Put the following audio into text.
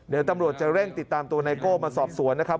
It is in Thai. เดี๋ยวตำรวจจะเร่งติดตามตัวไนโก้มาสอบสวนนะครับ